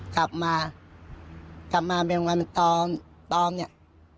กลับมากลับมาเป็นวันตอมตอมเนี่ย